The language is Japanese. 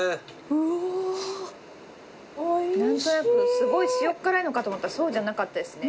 何となくすごい塩っ辛いのかと思ったらそうじゃなかったですね。